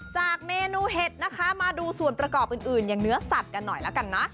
จากเมนูเห็ดนะคะมาดูส่วนประกอบอื่นอย่างเนื้อสัตว์กันหน่อยแล้วกันนะ